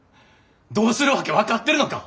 どうするわけ分かってるのか！